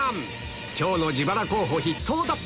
今日の自腹候補筆頭だ